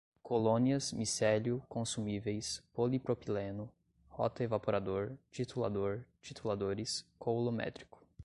colônias, micélio, consumíveis, polipropileno, rotaevaporador, titulador, tituladores, coulométrico